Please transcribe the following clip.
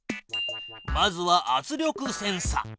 まずは圧力センサ。